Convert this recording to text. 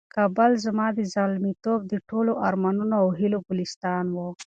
کابل زما د زلمیتوب د ټولو ارمانونو او هیلو ګلستان دی.